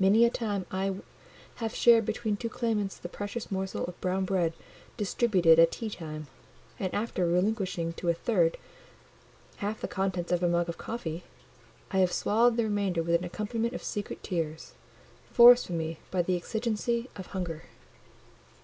Many a time I have shared between two claimants the precious morsel of brown bread distributed at tea time; and after relinquishing to a third half the contents of my mug of coffee, I have swallowed the remainder with an accompaniment of secret tears, forced from me by the exigency of hunger.